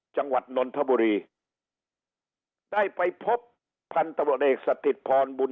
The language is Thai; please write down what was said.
จังหวัดนนทบุรีได้ไปพบพันตรวจเอกสถิตพรบุญ